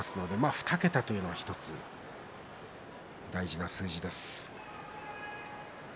２桁というのが１つ大事な数字です。